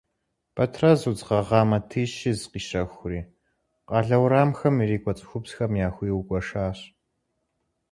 Бэтрэз удз гъэгъа матищ из къищэхури, къалэ уэрамхэм ирикӏуэ цӏыхубзхэм яхуигуэшащ.